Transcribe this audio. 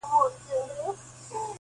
درس د میني راکه بیا همدم راکه.